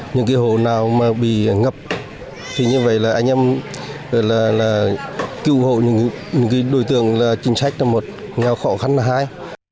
những cái hồ nào mà bị ngập thì như vậy là anh em cứu hộ những cái đối tượng là chính sách là một nhau khó khăn là hai